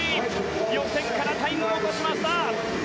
予選からタイムを落としました。